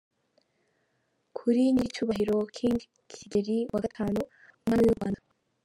“Kuri nyiricyubahiro King Kigeli V, Umwami w’uRwanda.